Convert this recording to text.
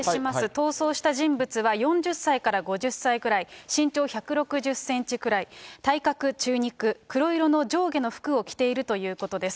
逃走した人物は、４０歳から５０歳くらい、身長１６０センチくらい、体格中肉、黒色の上下の服を着ているということです。